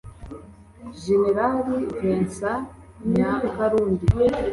Gen Vincent Nyakarundi